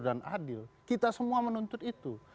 dan adil kita semua menuntut itu